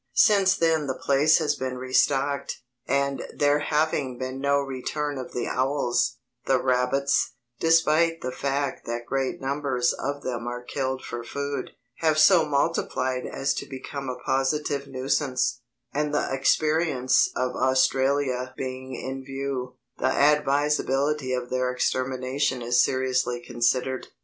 Since then the place has been restocked, and there having been no return of the owls, the rabbits, despite the fact that great numbers of them are killed for food, have so multiplied as to become a positive nuisance, and the experience of Australia being in view, the advisability of their extermination is seriously considered.